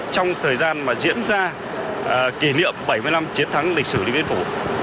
trong thời gian mà diễn ra kỷ niệm bảy mươi năm chiến thắng lịch sử điện biên phủ